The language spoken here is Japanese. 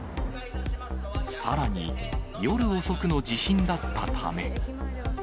さらに、夜遅くの地震だったため。